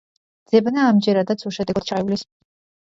ძებნა ამჯერადაც უშედეგოდ ჩაივლის.